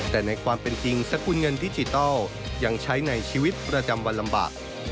แต่ในความเป็นจริงสกุลเงินดิจิทัลยังใช้ในชีวิตประจำวันลำบาก